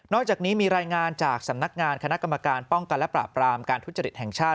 อกจากนี้มีรายงานจากสำนักงานคณะกรรมการป้องกันและปราบรามการทุจริตแห่งชาติ